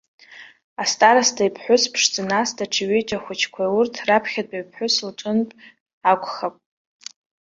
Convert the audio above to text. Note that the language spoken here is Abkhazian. Астароста иԥҳәыс ԥшӡа, нас даҽа ҩыџьа ахәыҷқәа урҭ раԥхьатәи иԥҳәыс лҿынтә акәхап.